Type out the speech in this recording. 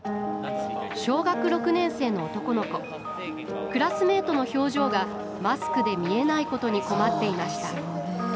小学６年生の男の子クラスメートの表情がマスクで見えないことに困っていました